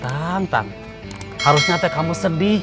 tang tang harusnya teh kamu sedih